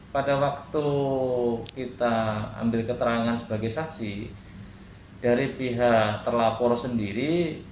pada waktu kita ambil keterangan sebagai saksi dari pihak terlapor sendiri